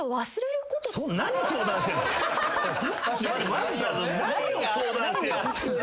まずさ何を相談して。